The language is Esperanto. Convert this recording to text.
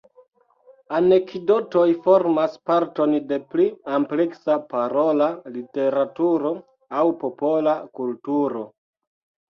Anekdotoj formas parton de pli ampleksa parola literaturo aŭ popola kulturo.